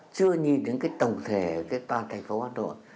chưa nhìn đến cái tổng thể cái toàn thành phố hà nội